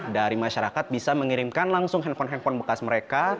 dari masyarakat bisa mengirimkan langsung handphone handphone bekas mereka